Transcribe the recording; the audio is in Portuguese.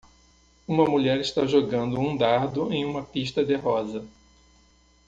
Uma mulher está jogando um dardo em uma pista-de-rosa.